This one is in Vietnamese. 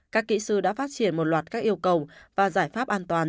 các kỹ sư đã phát triển một loạt các yêu cầu và giải pháp an toàn